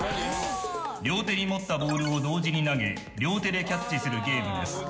両手に持ったボールを同時に投げ両手でキャッチするゲームです。